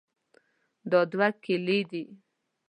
دا دوه کیلې دي.